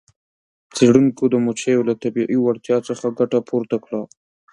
څیړونکو د مچیو له طبیعي وړتیا څخه ګټه پورته کړه.